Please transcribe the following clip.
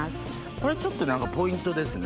これちょっとポイントですね。